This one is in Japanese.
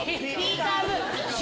ピーカーブー。